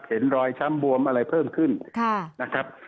เห็นรอยช้ำบวมอะไรเพิ่มขึ้นนะครับ